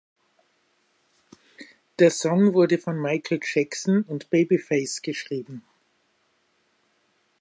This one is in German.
Der Song wurde von Michael Jackson und Babyface geschrieben.